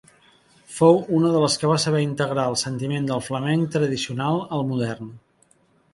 Fou una de les que va saber integrar el sentiment del flamenc tradicional al modern.